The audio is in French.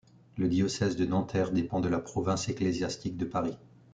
Le diocèse de Nanterre dépend de la province ecclésiastique de Paris.